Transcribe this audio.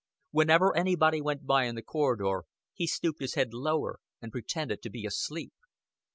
Whenever anybody went by in the corridor, he stooped his head lower and pretended to be asleep.